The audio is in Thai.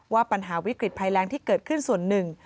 ว่าปัญหาวิกฤตภัยแรงที่เกิดขึ้นส่วนหนึ่ง